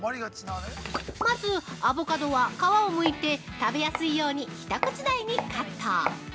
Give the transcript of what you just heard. まず、アボカドは皮を剥いて食べやすいように一口大にカット。